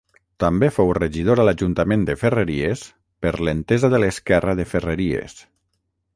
També fou regidor a l'Ajuntament de Ferreries per l'Entesa de l'Esquerra de Ferreries.